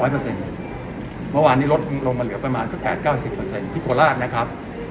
เมื่อวานนี้ลดลงมาเหลือประมาณสัก๘๙๐ที่โคราชนะครับ